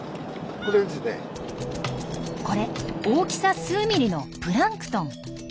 これ大きさ数ミリのプランクトン。